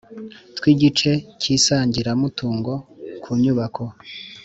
Tw igice cy isangiramutungo ku nyubako